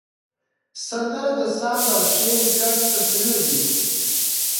سندره د ساز او شعر ګډ تصویر دی